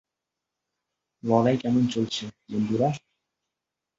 লড়াই কেমন চলছে, বন্ধুরা?